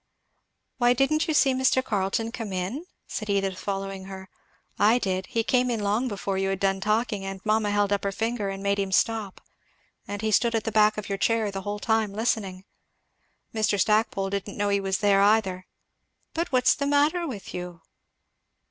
"Why, didn't you see Mr. Carleton come in?" said Edith following her; "I did he came in long before you had done talking, and mamma held up her finger and made him stop; and he stood at the back of your chair the whole time listening. Mr. Stackpole didn't know he was there, either. But what's the matter with you?"